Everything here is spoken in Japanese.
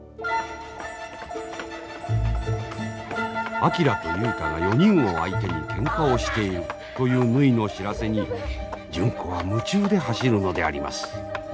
昭と雄太が４人を相手にけんかをしているというぬひの知らせに純子は夢中で走るのであります。